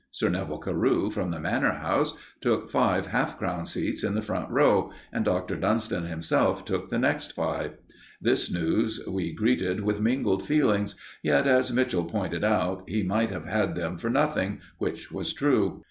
Sir Neville Carew, from the Manor House, took five half crown seats in the front row, and Dr. Dunston himself took the next five. This news, we greeted with mingled feelings, yet, as Mitchell pointed out, he might have had them for nothing, which was true.